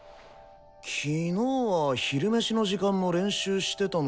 昨日は昼メシの時間も練習してたのになぁ。